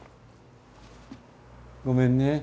ごめんね。